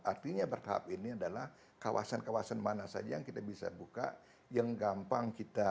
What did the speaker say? artinya bertahap ini adalah kawasan kawasan mana saja yang kita bisa buka yang gampang kita awasi yang tidak menimbulkan jolak dengan masyarakat